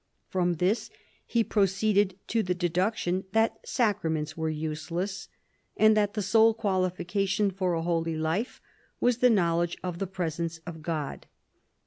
From this he proceeded to the deduction that sacraments were useless, and that the sole qualification for a holy life was the knowledge of the presence of God.